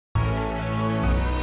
eh eh tunggu